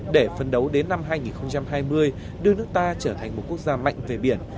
để phân đấu đến năm hai nghìn hai mươi đưa nước ta trở thành một quốc gia mạnh về biển